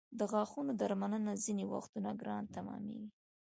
د غاښونو درملنه ځینې وختونه ګرانه تمامېږي.